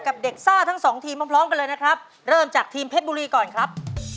อีกหนึ่งทีมครับคือทีมสงขราครับ